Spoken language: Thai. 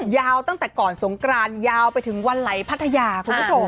ยาวตั้งแต่ก่อนสงกรานยาวไปถึงวันไหลพัทยาคุณผู้ชม